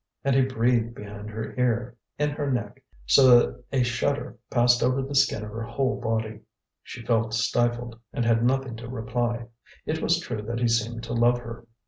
And he breathed behind her ear, in her neck, so that a shudder passed over the skin of her whole body. She felt stifled, and had nothing to reply. It was true that he seemed to love her.